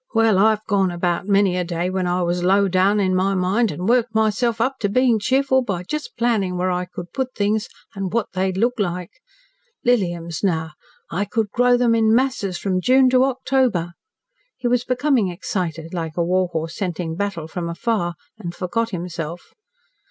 Well, I've gone about many a day when I was low down in my mind and worked myself up to being cheerful by just planning where I could put things and what they'd look like. Liliums, now, I could grow them in masses from June to October." He was becoming excited, like a war horse scenting battle from afar, and forgot himself.